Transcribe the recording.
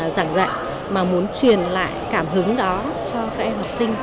giảng dạy mà muốn truyền lại cảm hứng đó cho các em học sinh